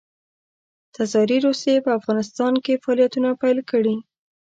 تزاري روسیې په افغانستان کې فعالیتونه پیل کړي.